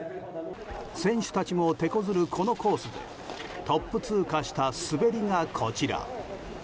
選手たちもてこずる、このコースでトップ通過した滑りがこちら。